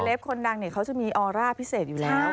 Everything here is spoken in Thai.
เซเลบคนดังเค้าจะมีออร่าพิเศษอยู่แล้ว